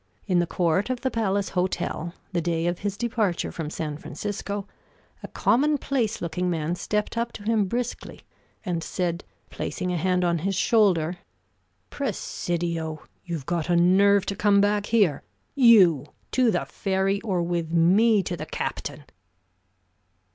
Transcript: In the court of the Palace Hotel, the day of his departure from San Francisco, a commonplace looking man stepped up to him briskly, and said, placing a hand on his shoulder: "Presidio, you've got a nerve to come back here. You, to the ferry; or with me to the captain!"